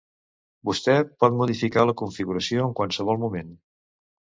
Vostè pot modificar la configuració en qualsevol moment.